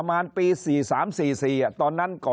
คนในวงการสื่อ๓๐องค์กร